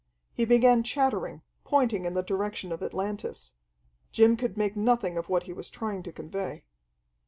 He began chattering, pointing in the direction of Atlantis. Jim could make nothing of what he was trying to convey.